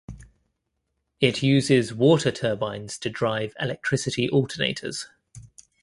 It uses water turbines to drive electricity alternators.